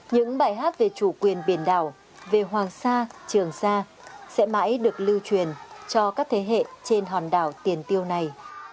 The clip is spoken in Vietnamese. những bài hát về chủ quyền biển đảo về hoàng sa trường sa sẽ mãi được lưu truyền cho các thế hệ trên hòn đảo tiền tiêu này